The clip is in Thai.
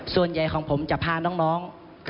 ส่วนใหญ่ของผมจะพาน้อง